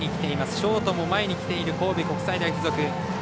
ショートも前にきている神戸国際大付属。